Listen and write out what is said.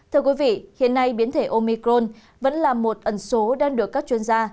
thưa quý vị hiện nay biến thể omicron vẫn là một ẩn số đang được các chuyên gia